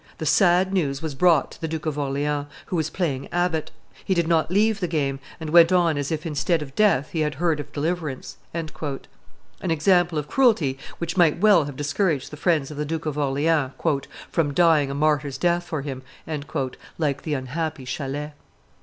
] "The sad news was brought to the Duke of Orleans, who was playing abbot; he did not leave the game, and went on as if instead of death he had heard of deliverance." An example of cruelty which might well have discouraged the friends of the Duke of Orleans "from dying a martyr's death for him" like the unhappy Chalais.